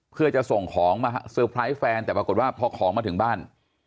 เพื่อจะส่งของมาเซอร์ไพรส์แฟนแต่ปรากฏว่าพอของมาถึงบ้าน